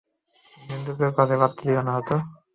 নিন্দুকদের কথায় পাত্তা দিয়ো নাতো!